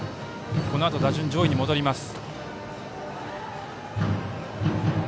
このあと、打順上位に戻ります。